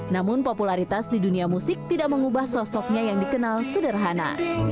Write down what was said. namun popularitas di dunia musik tidak mengubah sosoknya yang dikenal sederhana